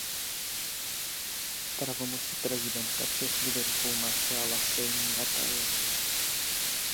Pravomoci prezidenta přešly do rukou maršála Sejmu Rataje.